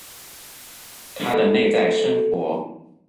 他的內在生活